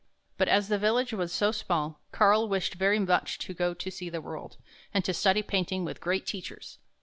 But as the village was so small, Karl wished very much to go to see the world, and to study painting with great teachers.